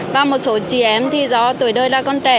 và một số chị em thì do tuổi đời là con trẻ